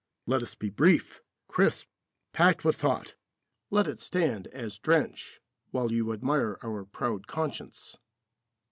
Let us be brief, crisp, packed with thought. Let it stand as drench, while you admire our proud conscience.)